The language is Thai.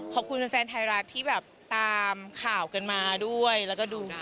ขอบคุณแฟนไทยรัฐที่แบบตามข่าวกันมาด้วยแล้วก็ดู